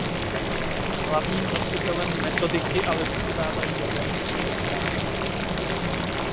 Hlavním nositelem metodiky ale zůstávají jaderné elektrárny.